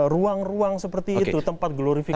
ruang ruang seperti itu tempat glorifikasi